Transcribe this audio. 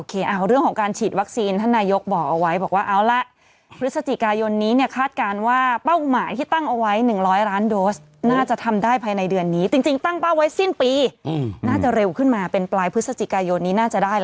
โอเคเรื่องของการฉีดวัคซีนท่านนายกบอกเอาไว้บอกว่าเอาล่ะ